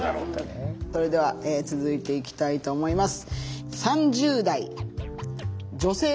それでは続いていきたいと思います。